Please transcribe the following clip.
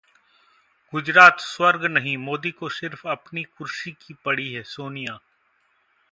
गुजरात स्वर्ग नहीं, मोदी को सिर्फ अपनी कुर्सी की पड़ी है: सोनिया